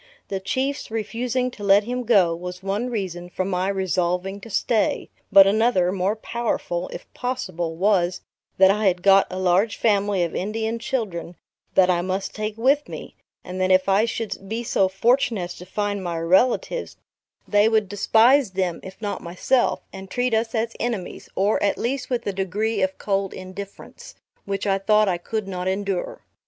The Chiefs refusing to let him go, was one reason for my resolving to stay; but another, more powerful, if possible, was, that I had got a large family of Indian children, that I must take with me; and that if I should be so fortunate as to find my relatives, they would despise them, if not myself; and treat us as enemies; or, at least with a degree of cold indifference, which I thought I could not endure.